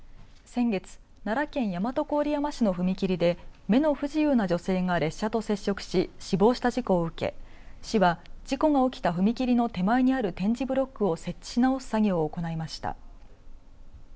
先月奈良県大和郡山市の踏切で目の不自由な女性が列車と接触し死亡した事故を受けて市は事故が起きた踏切の手前にある点字ブロックを設置しなおす作業を行いました。